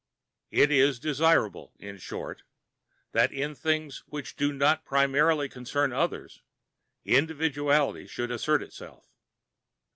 It is desirable, in short, that in things which do not primarily concern others, individuality should assert itself.